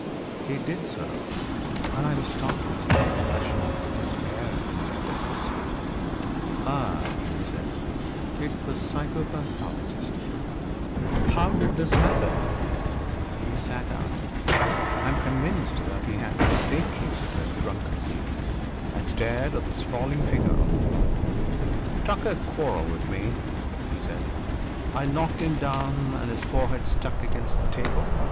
He did so, and I was startled by the expression of despair in their depths. "Ah," he said, "it's the psychopathologist." "How did this happen?" He sat up I am convinced that he had been faking that drunken sleep and stared at the sprawling figure on the floor. "Tucker quarrelled with me," he said. "I knocked him down and his forehead struck against the table.